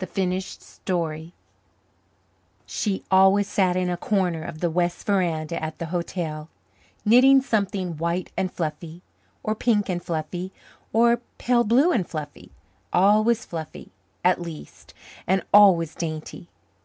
The Finished Story She always sat in a corner of the west veranda at the hotel, knitting something white and fluffy, or pink and fluffy, or pale blue and fluffy always fluffy, at least, and always dainty.